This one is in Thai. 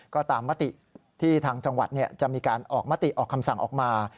ก็ตามมติที่ทางจังหวัดจะมีการออกมติออกคำสั่งออกมา